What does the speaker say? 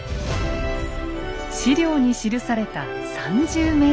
史料に記された３０ｍ。